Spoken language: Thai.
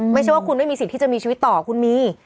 ไม่ใช่ว่าคุณไม่มีสิทธิ์ที่จะมีชีวิตต่อคุณมี